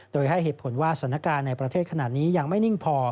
โดยให้เหตุผลว่าสถานการณ์ในประเทศขนาดนี้ยังไม่นิ่งพอ